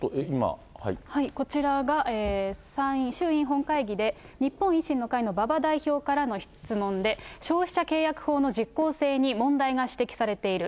こちらが、衆院本会議で日本維新の会の馬場代表からの質問で、消費者契約法の実効性に問題が指摘されている。